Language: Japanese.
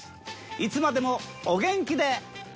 いつまでもお元気で！